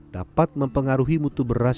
dapat mempengaruhi mutu beras